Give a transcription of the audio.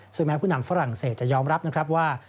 ซึ่งแม้ผู้นำฝรั่งเศสจะยอมรับนะครับว่า